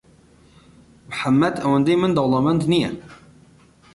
محەممەد ئەوەندی من دەوڵەمەند نییە.